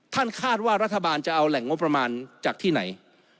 คาดว่ารัฐบาลจะเอาแหล่งงบประมาณจากที่ไหน